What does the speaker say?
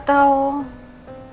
itu sudah berubah